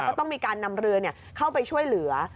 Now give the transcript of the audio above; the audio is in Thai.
ก็ต้องมีการนำเรือเข้าไปช่วยเหลือ